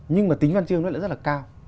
nhưng mà tính văn chương nó lại rất là cao